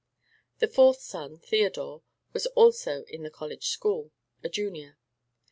The fourth son, Theodore, was also in the college school, a junior.